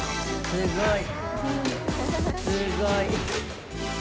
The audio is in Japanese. すごい。